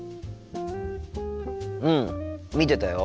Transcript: うん見てたよ。